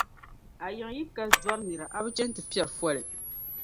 A yiŋa yi ka dɔri nira, a bi chɛn' ti piɛri foli.